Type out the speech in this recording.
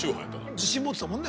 自信持ってたもんね。